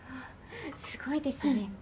すごいですね。